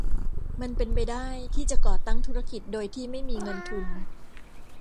มันเป็นไปได้ที่จะก่อตั้งธุรกิจโดยที่ไม่มีเงินทุน